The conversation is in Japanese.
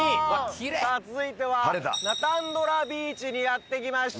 さあ続いてはナタンドラビーチにやって来ました